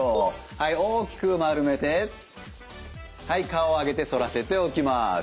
はい大きく丸めてはい顔を上げて反らせて起きます。